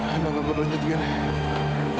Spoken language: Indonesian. emang aku berlanjut gini